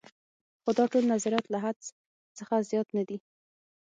خو دا ټول نظریات له حدس څخه زیات نه دي.